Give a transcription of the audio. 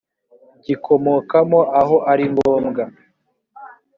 gikomokamo aho ari ngombwa